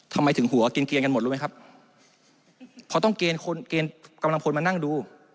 ทำไมถึงหัวกินเกลียนกันหมดรู้ไหมครับเขาต้องเกณฑ์คนเกณฑ์กำลังพลมานั่งดู